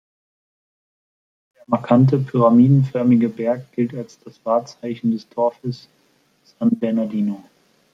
Der markante pyramidenförmige Berg gilt als das Wahrzeichen des Dorfes San Bernardino.